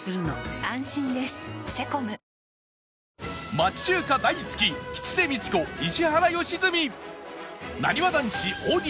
町中華大好き吉瀬美智子石原良純なにわ男子大西